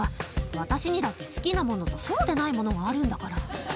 私にだって好きなものとそうでないものがあるんだから。